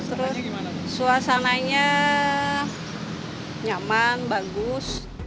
terus suasananya nyaman bagus